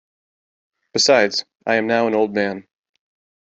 Besides, I am now an old man.